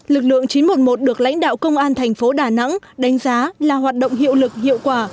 lực lượng chín trăm một mươi một được lãnh đạo công an thành phố đà nẵng đánh giá là hoạt động hiệu lực hiệu quả